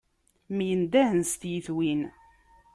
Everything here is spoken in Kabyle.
Myendahen s tyitiwin.